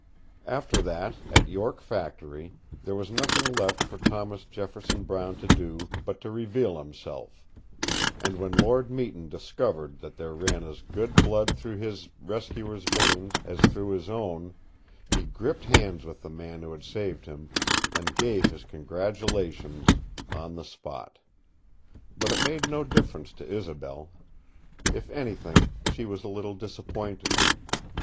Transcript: After that, at York Factory, there was nothing left for Thomas Jefferson Brown to do but to reveal himself, and when Lord Meton discovered that there ran as good blood through his rescuer's veins as through his own, he gripped hands with the man who had saved him, and gave his congratulations cm the spot. But it made no difference to Isobel. If anything, she was a little disappointed.